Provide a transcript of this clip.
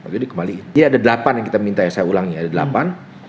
jadi kembali jadi ada delapan yang kita minta ya saya ulangi ada delapan